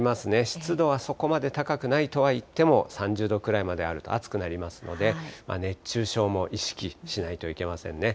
湿度はそこまで高くないとはいっても、３０度くらいまであると暑くなりますので、熱中症も意識しないといけませんね。